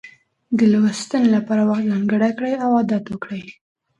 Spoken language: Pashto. د لوستنې لپاره وخت ځانګړی کړئ او عادت وکړئ.